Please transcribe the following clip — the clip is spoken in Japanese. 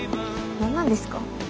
何なんですか？